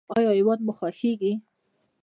ایا هیواد مو خوښیږي؟